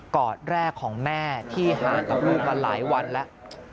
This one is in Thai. อดแรกของแม่ที่ห่างกับลูกมาหลายวันแล้ว